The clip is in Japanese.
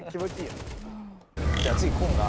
じゃあ次コンガ。